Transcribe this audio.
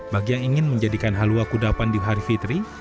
bagi yang ingin menjadikan halua kuda pandu hari fitri